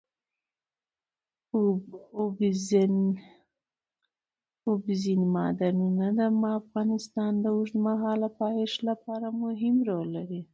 اوبزین معدنونه د افغانستان د اوږدمهاله پایښت لپاره مهم رول لري.